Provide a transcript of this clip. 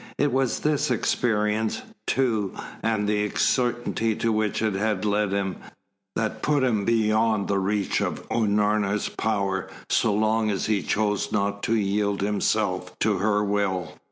It was this experience, too, and the certainty to which it had led him, that put him beyond the reach of Unorna's power so long as he chose not to yield himself to her will.